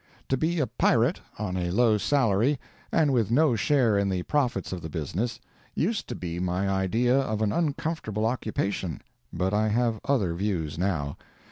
To be a pirate, on a low salary, and with no share in the profits of the business, used to be my idea of an uncomfortable occupation, but I have other views now.